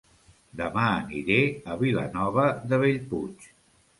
Dema aniré a Vilanova de Bellpuig